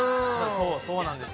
そうそうなんです。